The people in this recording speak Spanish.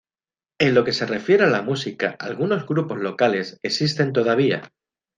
En lo que se refiere a la música, algunos grupos locales, existen todavía.